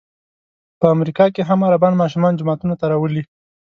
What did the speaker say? په امریکا کې هم عربان ماشومان جوماتونو ته راولي.